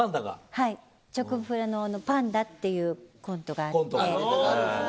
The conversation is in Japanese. チョコプラのパンダっていうコントがあって。